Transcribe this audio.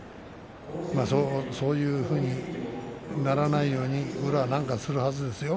そういうふうにならないように宇良は、するはずですよ。